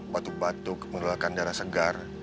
batuk batuk mengelola kan darah segar